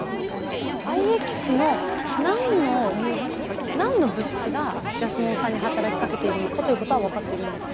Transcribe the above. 藍エキスの何の何の物質がジャスモン酸に働きかけているのかということは分かっているんですか？